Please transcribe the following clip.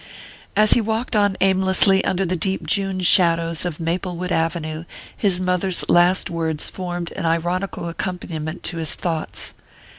As he walked on aimlessly under the deep June shadows of Maplewood Avenue his mother's last words formed an ironical accompaniment to his thoughts.